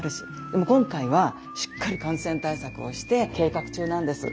でも今回はしっかり感染対策をして計画中なんです。